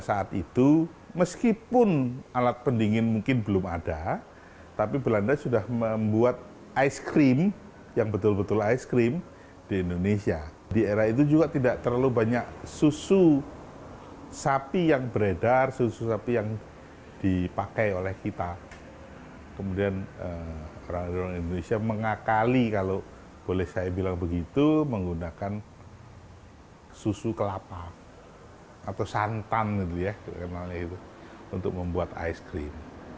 kita kemudian orang orang indonesia mengakali kalau boleh saya bilang begitu menggunakan susu kelapa atau santan untuk membuat es krim